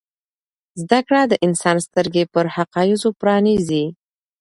زده کړه د انسان سترګې پر حقایضو پرانیزي.